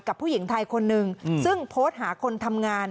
กับผู้หญิงไทยคนหนึ่งซึ่งโพสต์หาคนทำงาน